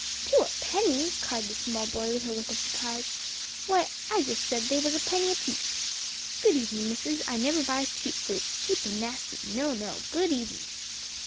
"Two a penny!" cried the small boy, with a look of surprise; "why, I'd 'a said they was a penny apiece. Good evenin', missus; I never buys cheap fruit cheap and nasty no, no; good evenin'."